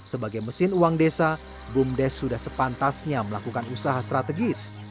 sebagai mesin uang desa bumdes sudah sepantasnya melakukan usaha strategis